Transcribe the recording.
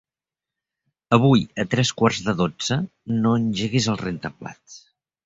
Avui a tres quarts de dotze no engeguis el rentaplats.